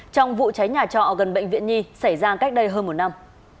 trong vụ cháy nhà trọ gần bệnh viện nhi xảy ra cách đây hơn một năm